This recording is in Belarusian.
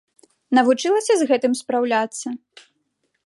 Навучылася з гэтым спраўляцца?